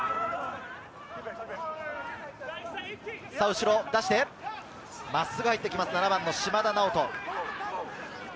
後ろに出して、真っすぐ入ってきます、７番・嶋田直人。